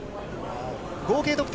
合計得点